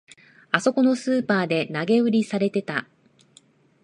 あそこのスーパーで投げ売りされてた